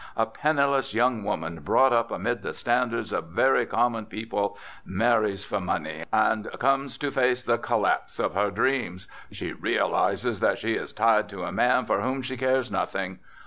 A penniless young woman brought up amid the standards of very common people marries for money, and comes to face the collapse of her dreams. She realises that she is tied to a man for whom she cares nothing.